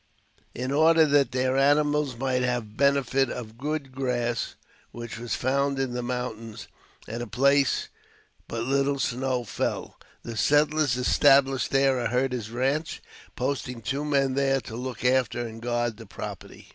In order that their animals might have the benefit of the good grass which was to be found in the mountains at a place where but little snow fell, the settlers established there a herder's ranche, posting two men there to look after and guard the property.